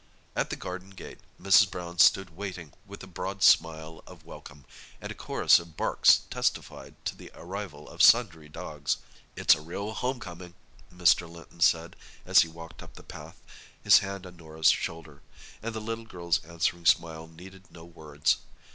At the garden gate Mrs. Brown stood waiting, with a broad smile of welcome, and a chorus of barks testified to the arrival of sundry dogs. "It's a real home coming," Mr. Linton said as he walked up the path, his hand on Norah's shoulder—and the little girl's answering smile needed no words.